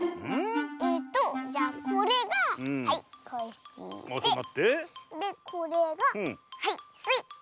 えっとじゃこれがはいコッシーででこれがはいスイ。